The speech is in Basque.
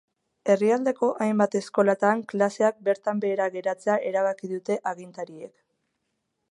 Herrialdeko hainbat eskolatan klaseak bertan behera geratzea erabaki dute agintariek.